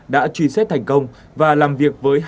đã truy xét thành công và làm việc với